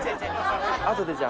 あとでじゃあ。